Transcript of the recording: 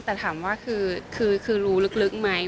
แต่ถามว่าคือรู้ลึกไหม